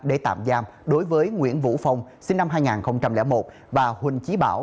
để tạm giam đối với nguyễn vũ phong sinh năm hai nghìn một và huỳnh trí bảo